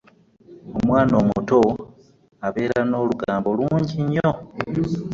omwana omuto abeera n'olugambo lungi nnyo.